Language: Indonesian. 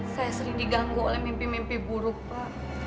saya sering diganggu oleh mimpi mimpi buruk pak